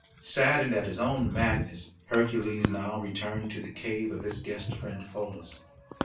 Saddened at his own madness Hercules now returned to the cave of his guest friend Pholus.